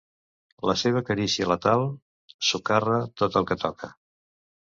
La seva carícia letal socarra tot el que toca.